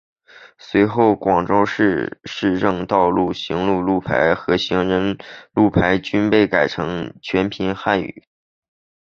随后广州市的市政道路行车路牌和行人路牌均被改成全汉语拼音。